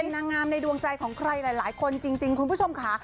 นางงามในดวงใจของใครหลายคนจริงคุณผู้ชมค่ะ